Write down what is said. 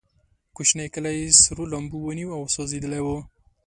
کوچنی کلی سرو لمبو ونیو او سوځېدلی و.